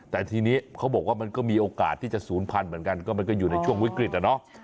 แต่ทีนี้เขาบอกว่ามันก็มีโอกาสที่จะศูนย์พันธุ์เหมือนกันก็มันก็อยู่ในช่วงวิกฤตอะเนาะ